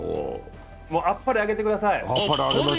あっぱれ、あげてください。